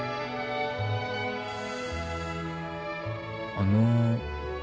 あの。